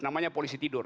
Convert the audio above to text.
namanya polisi tidur